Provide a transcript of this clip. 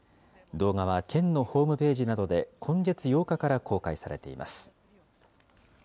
動画は県のホームページなどで、今月８日から公開されています。